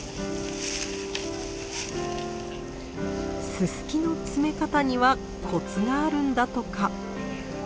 ススキの詰め方にはコツがあるんだとか。